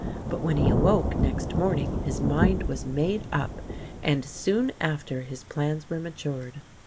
But when he awoke next morning his mind was made up, and soon after his plans were matured.